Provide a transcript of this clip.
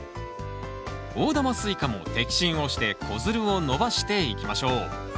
大玉スイカも摘心をして子づるを伸ばしていきましょう。